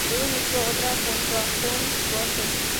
Luego inició otra junto a Guns N' Roses.